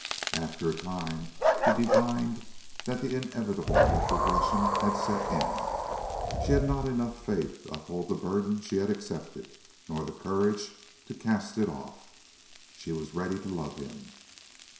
After a time he divined that the inevitable retrogression had set in: she had not enough faith to uphold the burden she had accepted, nor the courage to cast it off. She was ready to love him.